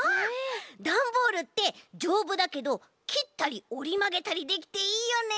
ダンボールってじょうぶだけどきったりおりまげたりできていいよね。